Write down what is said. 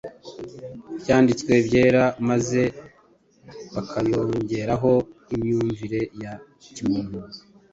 Ibyanditswe Byera maze bakayongeraho imyumvire ya kimuntu,